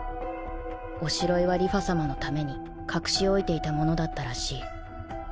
おしろいは梨花さまのために隠し置いていたものだったらしい